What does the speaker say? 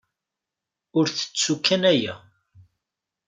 Ur ttettu kan aya.